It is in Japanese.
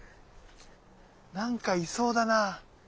何かいそうだな。